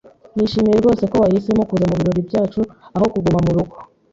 Nishimiye rwose ko wahisemo kuza mubirori byacu aho kuguma murugo.